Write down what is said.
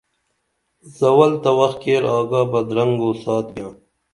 زوال تہ وخ کیر آگا بہ درنگو سات بیاں